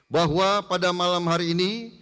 bahwa pada malam hari ini